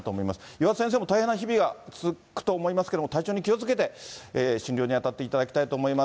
岩田先生も大変な日々が続くと思いますけれども、体調に気をつけて、治療に当たっていただきたいと思います。